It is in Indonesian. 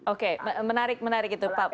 oke menarik itu pak